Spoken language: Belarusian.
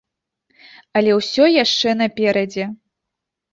Але ўсё яшчэ наперадзе.